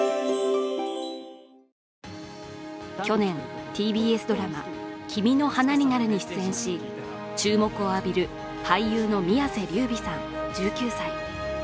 去年、ＴＢＳドラマ「君の花になる」に出演し注目を浴びる俳優の宮世琉弥さん１９歳。